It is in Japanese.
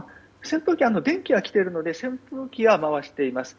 電気は来ているので扇風機は回しています。